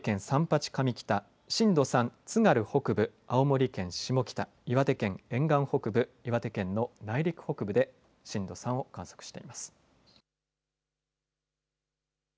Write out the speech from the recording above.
震度４を青森県三八上北震度３、津軽北部、青森県下北、岩手県沿岸北部、岩手県の内陸北部で震度３を観測しています。